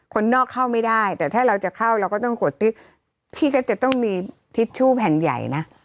คนนอกเข้าไม่ได้แต่ถ้าเราจะเข้าเราก็ต้องกดพี่ก็จะต้องมีทิชชู่แผ่นใหญ่นะ